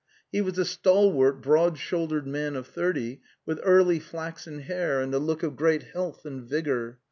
He was a stalwart, broad shouldered man of thirty, with curly flaxen hair and a look of great health and vigour.